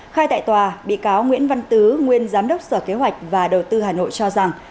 khai tại tòa bị cáo nguyễn văn tứ nguyên giám đốc sở kế hoạch và đầu tư hà nội cho rằng